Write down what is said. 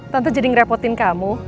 tante jadi ngerepotin kamu